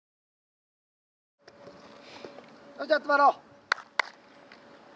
それじゃ集まろう。